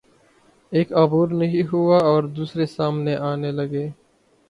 ایک عبور نہیں ہوا اور دوسرے سامنے آنے لگے۔